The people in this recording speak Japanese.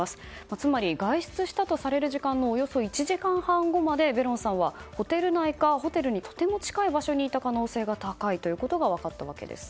つまり、外出したとされる時間のおよそ１時間半後までベロンさんはホテル内かホテルにとても近い場所にいた可能性が高いことが分かったわけです。